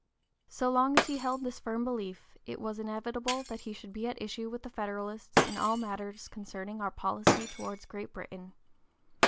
So long as he held this firm belief, it was inevitable that he should be at issue with the Federalists in all matters concerning our policy towards Great Britain.